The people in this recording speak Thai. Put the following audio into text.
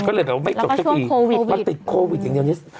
ก็เลยแบบว่าไม่จบทุกปีแล้วก็ช่วงโควิดมาติดโควิดอย่างเงี้ย